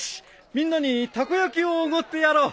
みんなにたこ焼きをおごってやろう！